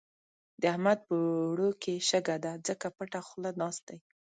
د احمد په اوړو کې شګه ده؛ ځکه پټه خوله ناست دی.